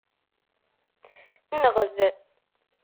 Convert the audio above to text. Nɣed.